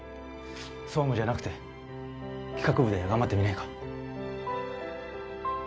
総務じゃなくて企画部で頑張ってみないか？